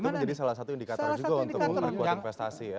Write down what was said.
itu menjadi salah satu indikator juga untuk memperkuat investasi ya